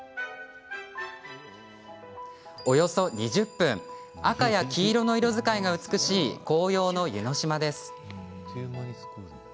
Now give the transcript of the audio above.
およそ２０分赤や黄色の色使いが美しい紅葉の湯の島です。